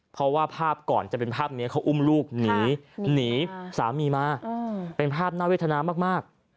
เพราะว่าภาพก่อนจะเป็นภาพนี้เขาอุ้มลูกหนีหนีสามีมาเป็นภาพน่าเวทนามาก